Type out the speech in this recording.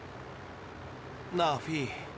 なあフィー。